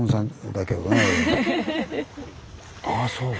ああそう。